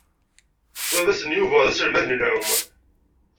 Baba-s n Yuba d aselmad n lɛum.